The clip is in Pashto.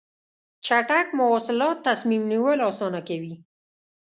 چټک مواصلات تصمیم نیول اسانه کوي.